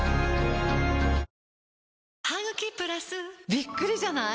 びっくりじゃない？